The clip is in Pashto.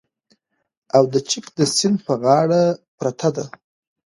او د چک د سیند په غاړه پرته ده